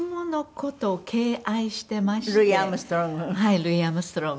ルイ・アームストロング。